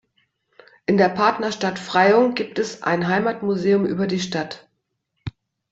In der Partnerstadt Freyung gibt es ein Heimatmuseum über die Stadt.